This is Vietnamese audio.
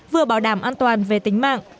vừa bảo đảm an toàn về tính mạng